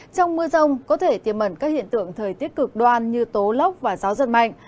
trong mưa rông có thể tiềm ẩn các hiện tượng thời tiết cực đoan như tố lốc và gió giật mạnh